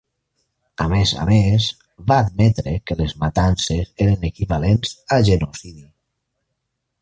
A més a més, va admetre que les matances eren equivalents a genocidi.